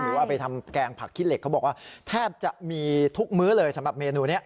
เอาไปทำแกงผักขี้เหล็กเขาบอกว่าแทบจะมีทุกมื้อเลยสำหรับเมนูนี้